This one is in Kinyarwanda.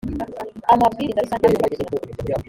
a mabwiriza rusange banki igomba kugira